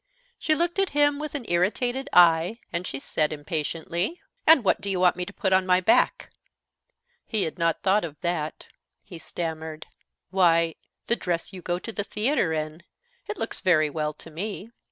She looked at him with an irritated eye, and she said, impatiently: "And what do you want me to put on my back?" He had not thought of that; he stammered: "Why, the dress you go to the theater in. It looks very well, to me."